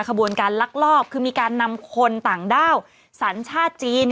ขบวนการลักลอบคือมีการนำคนต่างด้าวสัญชาติจีน